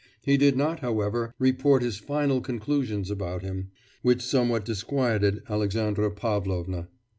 He did not, however, report his final conclusions about him, which somewhat disquieted Alexandra Pavlovna.